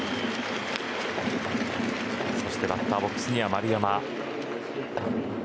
そしてバッターボックスには丸山。